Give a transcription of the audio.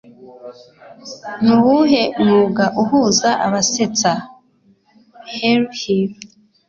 Nuwuhe mwuga uhuza abasetsa Harry Hill